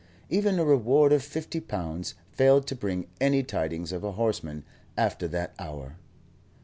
Even a reward of fifty pounds failed to bring any tidings of a horseman after that hour.